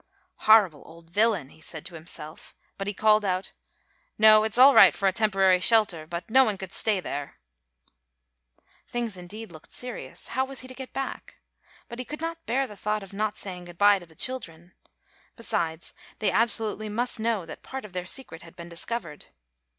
"Horrible old villain," he said to himself, but he called out, "No, it's all right for a temporary shelter, but no one could stay there." Things indeed looked serious, how was he to get back? But he could not bear the thought of not saying good bye to the children. Besides they absolutely must know that part of their secret had been discovered.